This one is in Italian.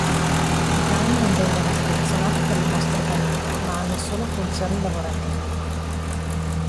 I cani non vengono selezionati per le mostre canine, ma hanno solo funzioni lavorative.